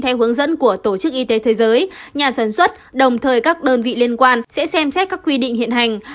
theo hướng dẫn của tổ chức y tế thế giới nhà sản xuất đồng thời các đơn vị liên quan sẽ xem xét các quy định hiện hành